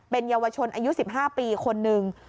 เป็นเยาวชนอายุ๑๕ปีคนนึง